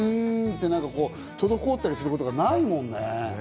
うんって滞ったりすることがないもんね。